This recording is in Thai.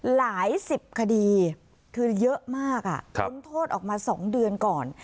หลายสิบคดีคือเยอะมากพ้นโทษออกมา๒เดือนก่อน